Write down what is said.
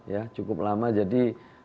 ya cukup lama jadi